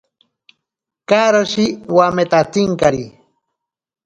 Karoshi wametantsinkari.